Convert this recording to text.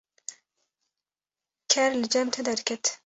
ker li cem te derket.